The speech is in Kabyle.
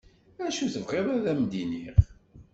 Acu tebɣiḍ ad am-d-iniɣ?